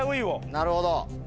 なるほど。